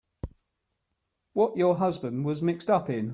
What your husband was mixed up in.